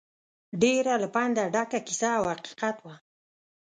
ډېره له پنده ډکه کیسه او حقیقت وه.